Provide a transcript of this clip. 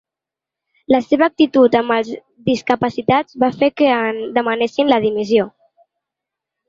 La seva actitud amb els discapacitats va fer que en demanessin la dimissió.